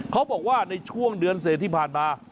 เขาบอกว่าในช่วงเดือนเศษที่ผ่านมา